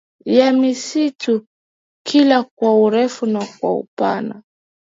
ya misitu kila kwa urefu na kwa upana